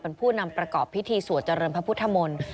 เป็นผู้นำประกอบพิธีสวดเจริญพระพุทธมนตร์